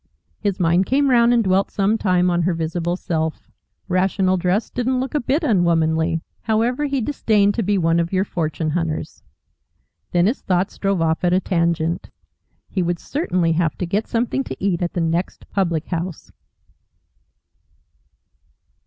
His mind came round and dwelt some time on her visible self. Rational dress didn't look a bit unwomanly. However, he disdained to be one of your fortune hunters. Then his thoughts drove off at a tangent. He would certainly have to get something to eat at the next public house.